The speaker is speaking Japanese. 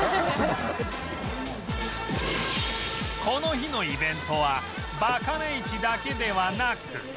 この日のイベントはバカネ市だけではなく